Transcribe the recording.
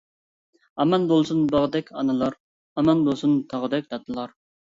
ئامان بولسۇن باغدەك ئانىلار، ئامان بولسۇن تاغدەك دادىلار.